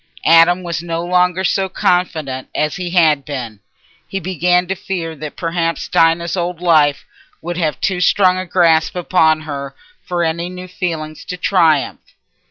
Adam was no longer so confident as he had been. He began to fear that perhaps Dinah's old life would have too strong a grasp upon her for any new feeling to triumph.